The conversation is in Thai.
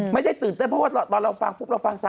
ไม่ได้ตื่นเต้นเพราะว่าตอนเราฟังปุ๊บเราฟัง๓